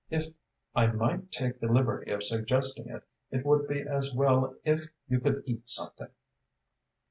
"If I might take the liberty of suggesting it, it would be as well if you could eat something."